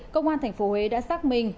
công an thành phố huế đã xác minh